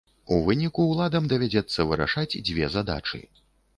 У выніку ўладам давядзецца вырашаць дзве задачы.